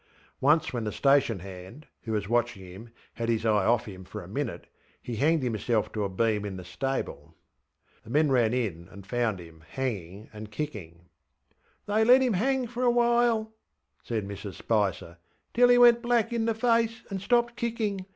Once, when the station hand, who was watching him, had his eye off him for a minute, he hanged himself to a beam in the stable. The men ran in and found him hanging and kicking. ŌĆśThey let him hang for a while, ŌĆÖ said Mrs Spicer, ŌĆśtill he went black in the face and stopped kicking.